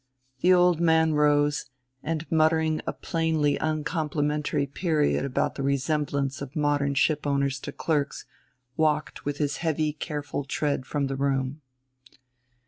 The old man rose; and, muttering a plainly uncomplimentary period about the resemblance of modern ship owners to clerks, walked with his heavy careful tread from the room.